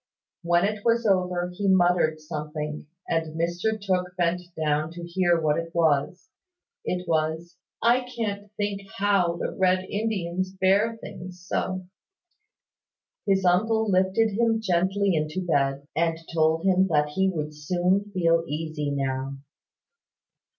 When it was over, he muttered something, and Mr Tooke bent down to hear what it was. It was "I can't think how the Red Indians bear things so." His uncle lifted him gently into bed, and told him that he would soon feel easy now.